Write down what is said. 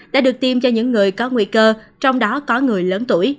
đã được tiêm cho những người có nguy cơ trong đó có người lớn tuổi